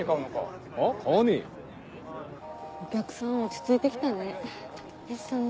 お客さん落ち着いて来たね。ですね。